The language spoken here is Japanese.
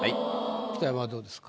北山はどうですか？